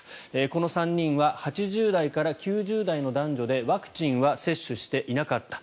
この３人は８０代から９０代の男女でワクチンは接種していなかった。